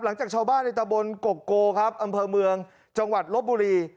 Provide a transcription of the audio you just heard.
หลังจากชาวบ้านในตะบนกกโกครับอำเภอเมืองจังหวัดลบบุรี